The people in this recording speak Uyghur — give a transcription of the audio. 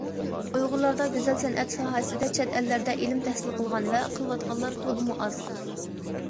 ئۇيغۇرلاردا گۈزەل سەنئەت ساھەسىدە چەت ئەللەردە ئىلىم تەھسىل قىلغان ۋە قىلىۋاتقانلار تولىمۇ ئاز.